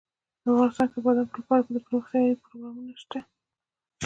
افغانستان کې د بادام لپاره دپرمختیا پروګرامونه شته.